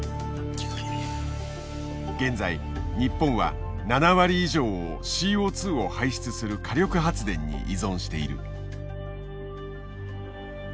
現在日本は７割以上をＣＯを排出する火力発電に依存している。